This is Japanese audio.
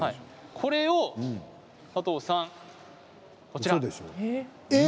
これを佐藤さん、こちら。